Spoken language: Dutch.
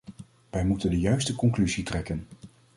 Wij moeten de juiste conclusie trekken.